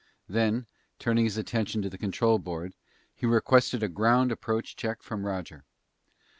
Then, turning his attention to the control board, he requested a ground approach check from Roger.